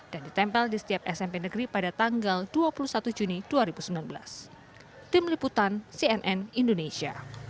dan ditempel di setiap smp negeri pada tanggal dua puluh satu juni dua ribu sembilan belas